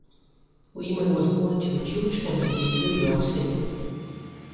Lehman was born to a Jewish family in New York City.